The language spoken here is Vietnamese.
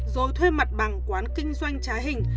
rồi thuê mặt bằng quán kinh doanh trái hình